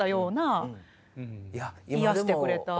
癒やしてくれた。